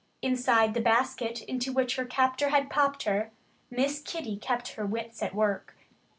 Inside the basket into which her captor had popped her, Miss Kitty kept her wits at work.